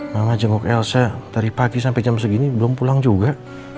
mama jenguk elsa dari pagi sampai jam segini belum pulang juga